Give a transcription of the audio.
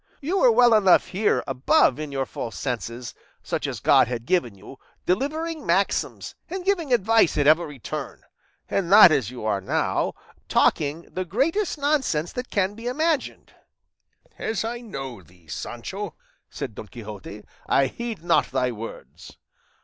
You were well enough here above in your full senses, such as God had given you, delivering maxims and giving advice at every turn, and not as you are now, talking the greatest nonsense that can be imagined." "As I know thee, Sancho," said Don Quixote, "I heed not thy words."